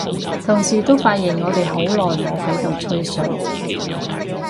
同時都發現我哋好耐冇喺度吹水，